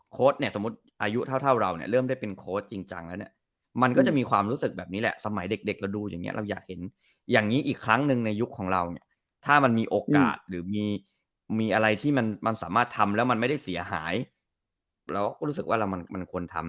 เนี่ยสมมุติอายุเท่าเราเนี่ยเริ่มได้เป็นโค้ชจริงจังแล้วเนี่ยมันก็จะมีความรู้สึกแบบนี้แหละสมัยเด็กเราดูอย่างเงี้เราอยากเห็นอย่างนี้อีกครั้งหนึ่งในยุคของเราเนี่ยถ้ามันมีโอกาสหรือมีอะไรที่มันสามารถทำแล้วมันไม่ได้เสียหายเราก็รู้สึกว่าเรามันควรทำ